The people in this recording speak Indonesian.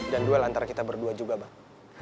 dan duel antara kita berdua juga bang